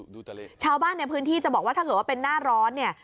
ชาวบ้านในพื้นที่จะบอกว่าถ้าเกิดว่าเป็นหน้าร้อนเนี่ย